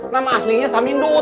nama aslinya samindut